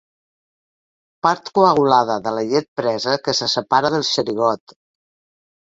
Part coagulada de la llet presa que se separa del xerigot.